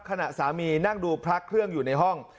ขณะสามีนั่งดูพระเครื่องอยู่ในห้อง